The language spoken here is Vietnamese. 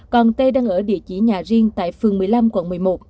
còn tê đang ở địa chỉ nhà riêng tại phường một mươi năm quận một mươi một